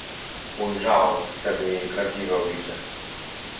"Ujrzałam wtedy jej prawdziwe oblicze!"